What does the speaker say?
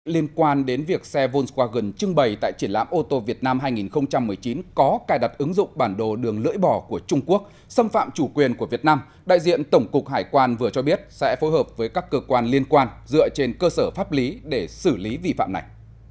liên quan đến việc xe volkswagen trưng bày tại triển lãm ô tô việt nam hai nghìn một mươi chín có cài đặt ứng dụng bản đồ đường lưỡi bò của trung quốc xâm phạm chủ quyền của việt nam đại diện tổng cục hải quan vừa cho biết sẽ phối hợp với các cơ quan liên quan dựa trên cơ sở pháp lý để xử lý vi phạm này